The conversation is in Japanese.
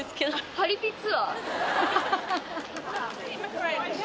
パリピツアー？